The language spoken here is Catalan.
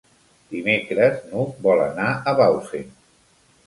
Dimecres n'Hug vol anar a Bausen.